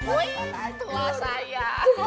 wih itulah saya